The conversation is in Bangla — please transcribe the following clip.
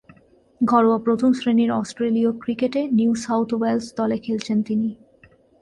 ঘরোয়া প্রথম-শ্রেণীর অস্ট্রেলীয় ক্রিকেটে নিউ সাউথ ওয়েলস দলে খেলেছেন তিনি।